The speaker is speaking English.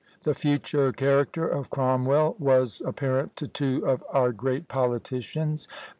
The future character of Cromwell was apparent to two of our great politicians.